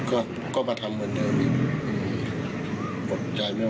เหตุการณ์ทั้งหมดมันก็จากคำบอกเล่าของหลวงตับพวงที่เป็นผู้ต้องหาในขณะนี้เนี่ยเนี่ย